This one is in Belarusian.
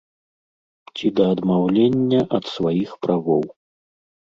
Ці да адмаўлення ад сваіх правоў.